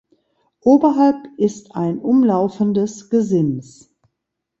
Oberhalb ist ein umlaufendes Gesims.